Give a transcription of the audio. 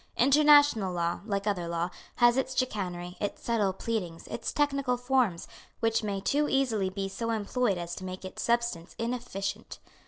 International law, like other law, has its chicanery, its subtle pleadings, its technical forms, which may too easily be so employed as to make its substance inefficient.